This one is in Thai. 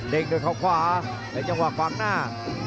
เด้งเข้าจะคว้างเวี้ยหวังจากฝั่งหน้า